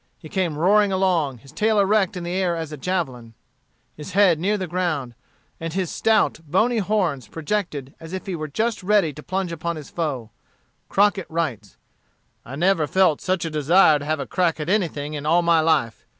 He came roaring along, his tail erect in the air as a javelin, his head near the ground, and his stout, bony horns projected as if he were just ready to plunge upon his foe. Crockett writes: "I never felt such a desire to have a crack at anything in all my life.